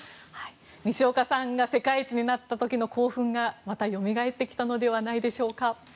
西岡さんが世界一になった時の興奮がまたよみがえってきたのではないでしょうか。